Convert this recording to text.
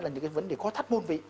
là những cái vấn đề khó thắt môn vị